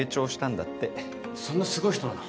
そんなすごい人なの？